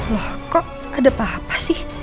loh kok ada papa sih